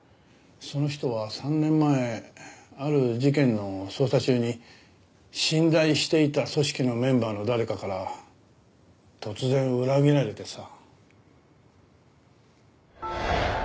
その人は３年前ある事件の捜査中に信頼していた組織のメンバーの誰かから突然裏切られてさ。